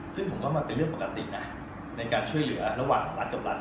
ซึ่งผมว่ามันเป็นเรื่องปกตินะในการช่วยเหลือระหว่างรัฐกับรัฐ